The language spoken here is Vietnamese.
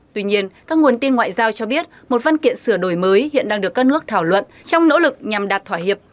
tuy nhiên các nguồn tin ngoại giao cho biết một văn kiện sửa đổi mới hiện đang được các nước thảo luận trong nỗ lực nhằm đạt thỏa hiệp